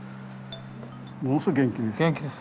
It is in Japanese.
ものすごく元気いいです。